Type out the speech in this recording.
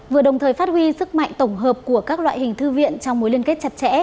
vừa đồng thời phát huy sức mạnh tổng hợp của các loại hình thư viện trong mối liên kết chặt chẽ